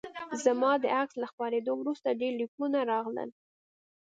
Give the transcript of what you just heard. زما د عکس له خپریدو وروسته ډیر لیکونه راغلل